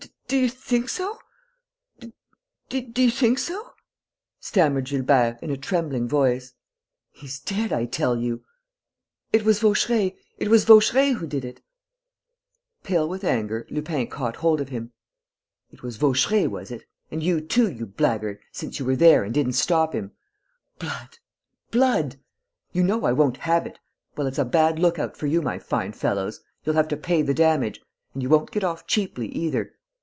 "Do you think so?... Do you think so?" stammered Gilbert, in a trembling voice. "He's dead, I tell you." "It was Vaucheray ... it was Vaucheray who did it...." Pale with anger, Lupin caught hold of him: "It was Vaucheray, was it?... And you too, you blackguard, since you were there and didn't stop him! Blood! Blood! You know I won't have it.... Well, it's a bad lookout for you, my fine fellows.... You'll have to pay the damage! And you won't get off cheaply either....